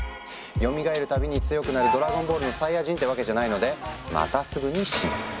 よみがえるたびに強くなる「ドラゴンボール」のサイヤ人ってわけじゃないのでまたすぐに「死ぬ」。